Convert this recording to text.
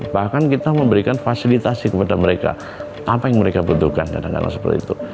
bahkan kita memberikan fasilitasi kepada mereka apa yang mereka butuhkan kadang kadang seperti itu